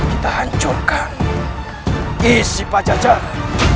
kita hancurkan isi pajajara